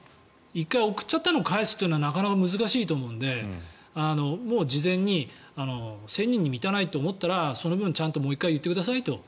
１回送っちゃったのを返すのはなかなか難しいと思うのでもう事前に１０００人に満たないと思ったらその分、ちゃんともう１回言ってくださいと。